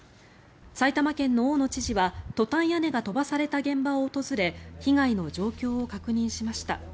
埼玉県の大野知事はトタン屋根が飛ばされた現場を訪れ被害の状況を確認しました。